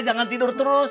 jangan tidur terus